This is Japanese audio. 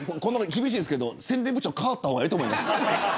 厳しいですけど、宣伝部長変わった方がいいと思います。